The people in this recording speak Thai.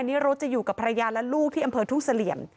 นิรุธจะอยู่กับภรรยาและลูกที่อำเภอทุ่งเสลี่ยม